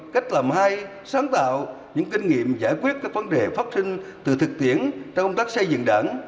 cách làm hay sáng tạo những kinh nghiệm giải quyết các vấn đề phát sinh từ thực tiễn trong công tác xây dựng đảng